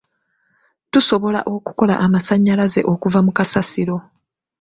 Tusobola okukola amasannyalaze okuva mu kasasiro.